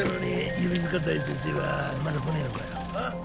弓塚大先生はまだ来ねえのかよ？